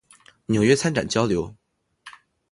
纽约参展交流